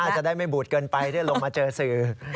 น่าจะได้ไม่บูธเกินไปจะลงมาเจอสื่อ